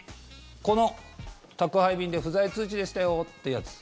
この、宅配便で不在通知でしたよというやつ。